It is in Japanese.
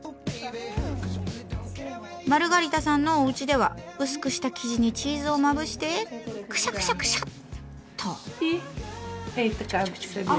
マルガリタさんのおうちでは薄くした生地にチーズをまぶしてクシャクシャクシャッと。